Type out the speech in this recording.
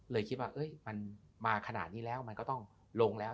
เลยคิดว่ามันมาขนาดนี้แล้วมันก็ต้องลงแล้ว